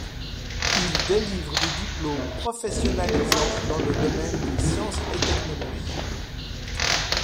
Il délivre des diplômes professionnalisants dans le domaine des sciences et technologies.